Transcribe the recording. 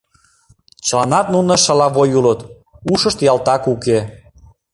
Чыланат нуно шалавуй улыт, ушышт ялтак уке.